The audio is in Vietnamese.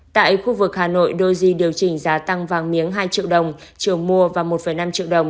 tại khu vực hà nội doji điều chỉnh giá tăng vàng miếng hai triệu đồng chiều mua và một năm triệu đồng